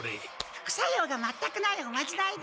副作用が全くないおまじないです！